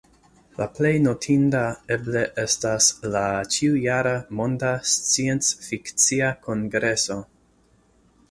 La plej notinda eble estas la ĉiu-jara Monda Sciencfikcia Kongreso.